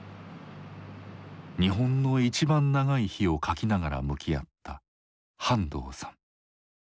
「日本のいちばん長い日」を書きながら向き合った半藤さん。